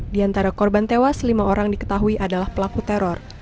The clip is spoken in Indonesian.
di antara korban tewas lima orang diketahui adalah pelaku teror